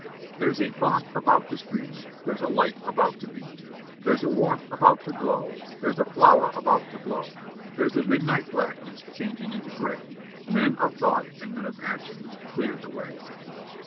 "'There's a fount about to stream; There's a light about to beam; There's a warmth about to glow; There's a flower about to blow; There's a midnight blackness changing Into gray: Men of thought and men of action, Clear the way!'"